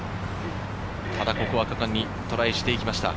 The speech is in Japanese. ここは果敢にトライしていきました。